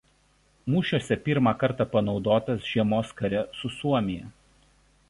Mūšiuose pirmą kartą panaudotas Žiemos kare su Suomija.